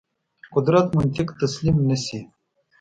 قدرت منطق تسلیم نه شي.